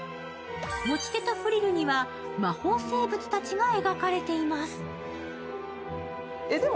持ち手とフリルには、魔法生物たちが描かれています。